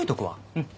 うん。